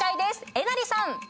えなりさん。